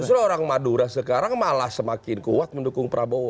justru orang madura sekarang malah semakin kuat mendukung prabowo